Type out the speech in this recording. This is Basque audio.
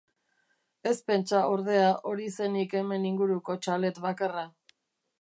Ez pentsa, ordea, hori zenik hemen inguruko txalet bakarra.